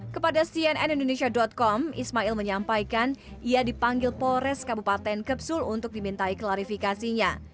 kepada cnnindonesia com ismail menyampaikan ia dipanggil polres kabupaten kepulauan sula untuk dimintai klarifikasinya